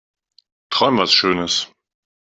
Träum was schönes.